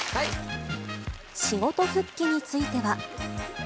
仕事復帰については。